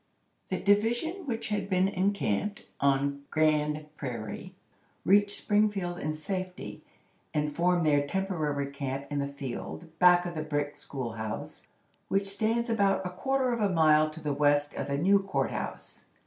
_ THE division which had been encamped on Grand Prairie reached Springfield in safety, and formed their temporary camp in the field, back of the brick school house, which stands about a quarter of a mile to the west of the new court house.